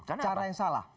cara yang salah